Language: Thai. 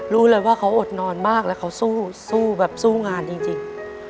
รู้เลยว่าเขาอดนอนมากแล้วเขาสู้สู้แบบสู้งานจริง